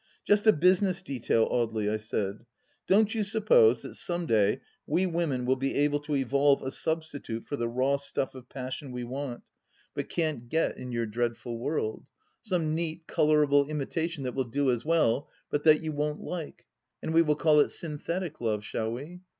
" Just a business detail, Audely 1 " I said. " Don't you suppose that some day we women will be able to evolve a substitute for the raw stuff of passion we want, but can't get 128 THJfi LAST DITCH in your dreadftil world 1 Some neat, colourable imitation that will do as well, but that you won't like 1 And we will call it Synthetic Love, shall we